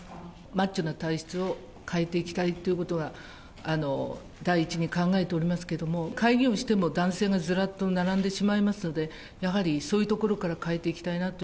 マッチョな体質を変えていきたいということが、第一に考えておりますけども、会議をしても男性がずらっと並んでしまいますので、やはりそういうところから変えていきたいなと。